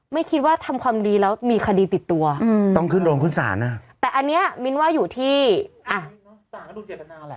ไม่คิดว่าทำความดีแล้วมีคดีติดตัวอืมต้องขึ้นลงคุณศาลนะแต่อันนี้มีนว่าอยู่ที่อะ